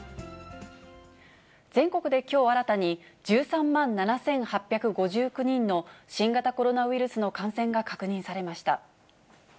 全国できょう新たに、１３万７８５９人の新型コロナウイルスの感染が確認されました。